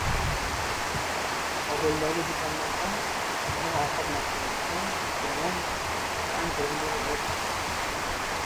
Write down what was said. Kobuldagi do‘konlarda oziq-ovqat mahsulotlari tugagan, shakar anchadan beri yo‘q